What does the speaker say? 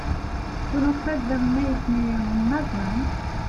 Do not let them make me a madman.